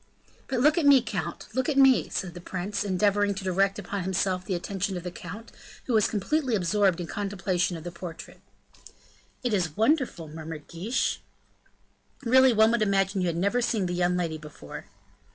"But look at me, count, look at me," said the prince, endeavoring to direct upon himself the attention of the count, who was completely absorbed in contemplation of the portrait. "It is wonderful," murmured Guiche. "Really one would imagine you had never seen the young lady before."